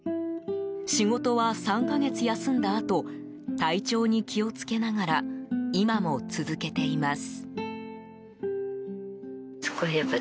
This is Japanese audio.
仕事は３か月休んだあと体調に気を付けながら今も続けています。